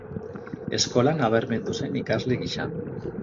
Eskolan nabarmendu zen ikasle gisa.